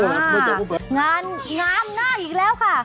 งานงามง่ายอีกแล้วค่ะ